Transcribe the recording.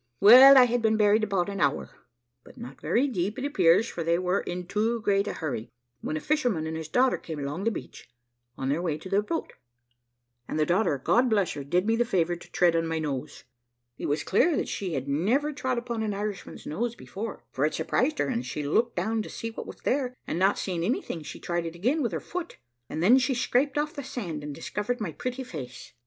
Well, I had been buried about an hour but not very deep it appears, for they were in too great a hurry when a fisherman and his daughter came along the beach, on their way to the boat; and the daughter, God bless her! did me the favour to tread on my nose. It was clear that she had never trod upon an Irishman's nose before, for it surprised her, and she looked down to see what was there, and not seeing anything, she tried it again with her foot, and then she scraped off the sand, and discovered my pretty face.